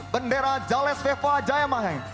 bendera jales viva jayamahe